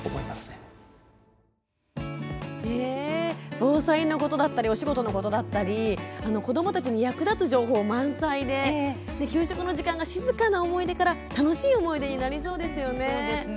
防災のことだったりお仕事のことだったり子どもたちに役立つ情報満載で給食の時間が、静かな思い出から楽しい思い出になりそうですよね。